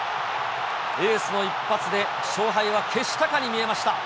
エースの一発で勝敗は決したかに見えました。